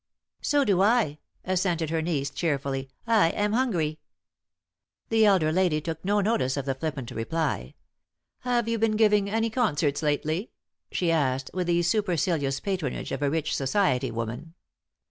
"So do I," assented her niece, cheerfully. "I am hungry." The elder lady took no notice of the flippant reply. "Have you been giving any concerts lately?" she asked, with the supercilious patronage of a rich society woman.